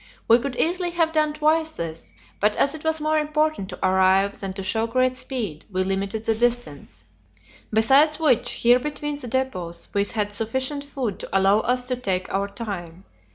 We could easily have done twice this, but as it was more important to arrive than to show great speed, we limited the distance; besides which, here between the depots we had sufficient food to allow us to take our time.